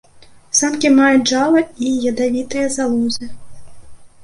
Самкі маюць джала і ядавітыя залозы.